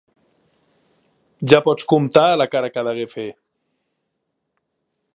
Ja pots comptar la cara que degué fer!